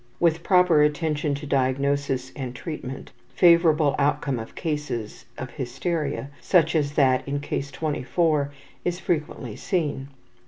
With proper attention to diagnosis and treatment, favorable outcome of cases of hysteria, such as that in Case 24, is frequently seen.